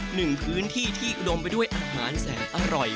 หนึ่งพื้นที่ที่อุดมไปด้วยอาหารแสนอร่อย